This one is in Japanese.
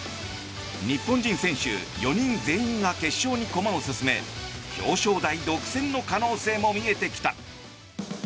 日本人選手４人全員が決勝に駒を進め表彰台独占の可能性も見えてきた。